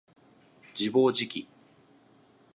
自暴自棄